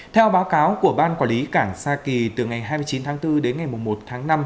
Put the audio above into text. theo báo cáo của ban quản lý cảng sa kỳ từ ngày hai mươi chín tháng bốn đến ngày một tháng năm